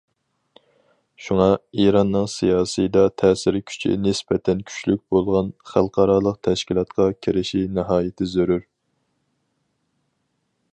شۇڭا، ئىراننىڭ سىياسىيدا تەسىر كۈچى نىسبەتەن كۈچلۈك بولغان خەلقئارالىق تەشكىلاتقا كىرىشى ناھايىتى زۆرۈر.